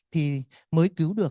thì mới cứu được